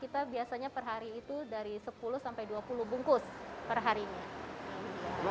kita biasanya per hari itu dari sepuluh sampai dua puluh bungkus perharinya